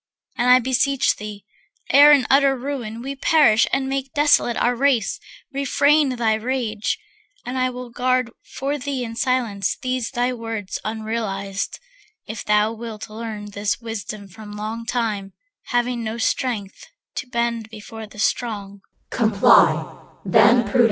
And I beseech thee, ere in utter ruin We perish and make desolate our race, Refrain thy rage. And I will guard for thee In silence these thy words unrealized; If thou wilt learn this wisdom from long time, Having no strength, to bend before the strong.